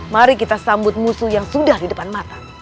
mari kita sambut musuh yang sudah di depan mata